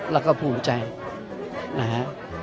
แล้วก็ภูมิใจนะฮะ